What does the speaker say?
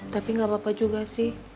tapi nggak apa apa juga sih